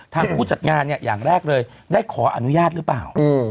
ที่ผู้จัดงานเนี่ยอย่างแรกเลยได้ขออนุญาตหรือเปล่า